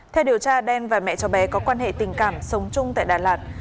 theo điều tra đen và mẹ cháu bé có quan hệ tình cảm sống chung tại đà lạt